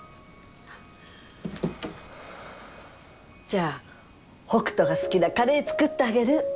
じゃあ北斗が好きなカレー作ってあげる。